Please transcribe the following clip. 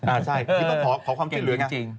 อ่าใช่คือต้องขอความจริงเลยนะคะ